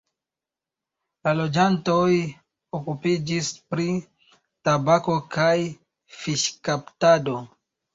La loĝantoj okupiĝis pri tabako kaj fiŝkaptado.